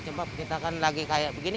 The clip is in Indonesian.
coba kita kan lagi kayak begini